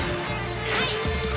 はい！